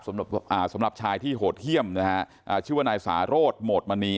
สำหรับอ่าสำหรับชายที่โหดเยี่ยมนะฮะอ่าชื่อว่านายสาโรธโหมดมณี